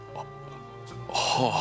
はあ。